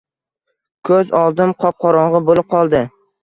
Ko‘z oldim qop-qorong‘i bo‘lib qoldi.